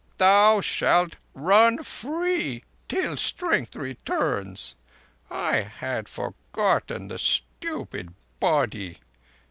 Thou shalt run free till strength returns. I had forgotten the stupid Body.